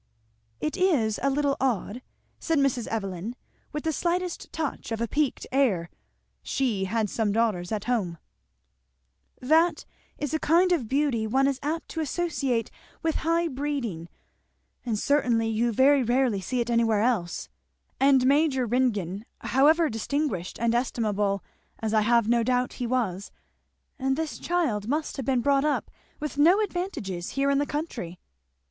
"It is a little odd," said Mrs. Evelyn with the slightest touch of a piqued air, (she had some daughters at home) "that is a kind of beauty one is apt to associate with high breeding, and certainly you very rarely see it anywhere else; and Major Ringgan, however distinguished and estimable, as I have no doubt he was, And this child must have been brought up with no advantages, here in the country."